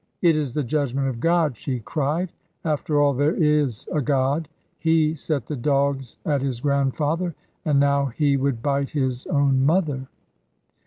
"It is the judgment of God," she cried; "after all there is a God. He set the dogs at his grandfather, and now he would bite his own mother!"